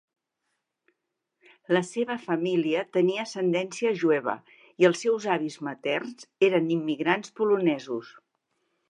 La seva família tenia ascendència jueva, i els seus avis materns eren immigrants polonesos.